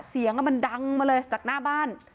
เสียงมันดังมาเลยจากหน้าบ้าน